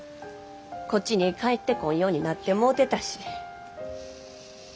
こっちに帰ってこんようになってもうてたし。